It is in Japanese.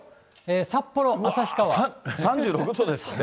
札幌、３６度ですって。